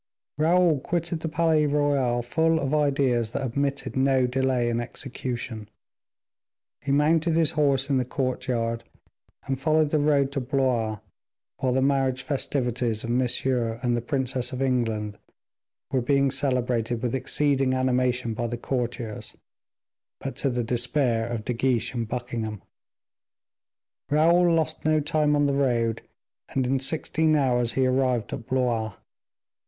Raoul quitted the Palais Royal full of ideas that admitted no delay in execution. He mounted his horse in the courtyard, and followed the road to Blois, while the marriage festivities of Monsieur and the princess of England were being celebrated with exceeding animation by the courtiers, but to the despair of De Guiche and Buckingham. Raoul lost no time on the road, and in sixteen hours he arrived at Blois.